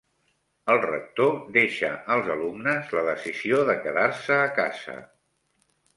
El rector deixa als alumnes la decisió de quedar-se a casa.